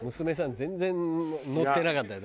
全然ノッてなかったね。